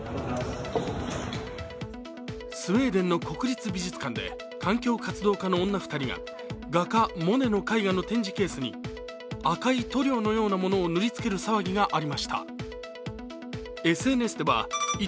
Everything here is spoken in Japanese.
スウェーデンの国立美術館で環境活動家の女人が画家・モネの絵画の展示ケースに赤い塗料のようなものを塗り付ける騒ぎがありました。